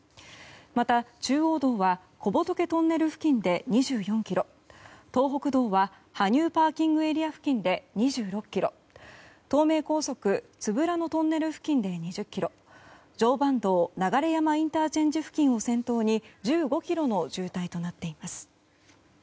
また、中央道は小仏トンネル付近で２４ｋｍ東北道は羽生ＰＡ付近で２６ｋｍ東名高速都夫良野トンネル付近で２０ｋｍ常磐道流山ＩＣ付近を先頭に１５ｋｍの渋滞となっています。